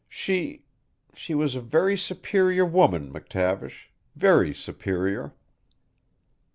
She she was a very superior woman, McTavish very superior.